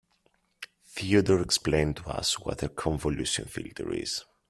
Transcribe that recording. Theodore explained to us what a convolution filter is.